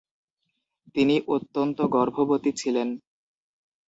তিনি অত্যন্ত গর্ভবতী ছিলেন।